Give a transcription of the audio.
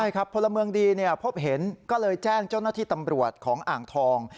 ใช่ครับพลเมืองดีพบเห็นก็เลยแจ้งเจ้าหน้าที่ตำรวจของอ่างทอง